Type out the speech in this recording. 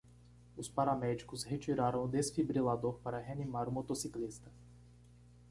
Os paramédicos retiraram o desfibrilador para reanimar o motociclista.